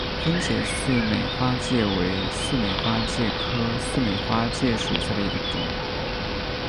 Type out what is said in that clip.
分解似美花介为似美花介科似美花介属下的一个种。